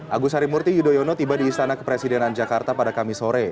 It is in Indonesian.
agus harimurti yudhoyono tiba di istana kepresidenan jakarta pada kamis sore